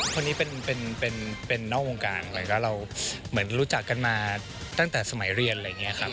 คนนี้เป็นนอกวงการอะไรแล้วเราเหมือนรู้จักกันมาตั้งแต่สมัยเรียนอะไรอย่างนี้ครับ